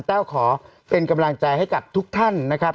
แต้วขอเป็นกำลังใจให้กับทุกท่านนะครับ